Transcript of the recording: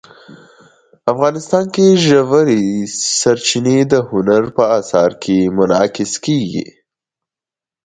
افغانستان کې ژورې سرچینې د هنر په اثار کې منعکس کېږي.